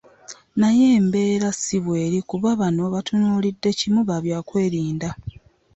Naye embeera si bweri kuba bano batunuulidde kimu babyakwerinda.